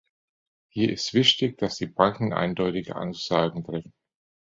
Hier ist wichtig, dass die Banken eindeutige Aussagen treffen.